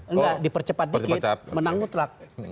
enggak dipercepat dikit menang mutlak